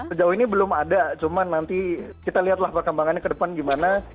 sejauh ini belum ada cuman nanti kita lihatlah perkembangannya ke depan gimana